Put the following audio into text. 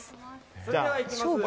それではいきます。